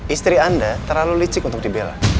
istri anda terlalu licik untuk dibela